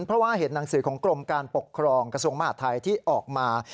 เพราะว่าเห็นหนังสือของกรมการปกครองกระทรวงมหาดไทยที่ออกมา